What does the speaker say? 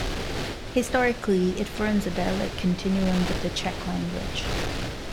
Historically, it forms a dialect continuum with the Czech language.